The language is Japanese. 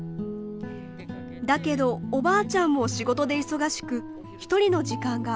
だけどおばあちゃんも仕事で忙しく一人の時間が多かったそう。